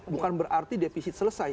bukan berarti defisit selesai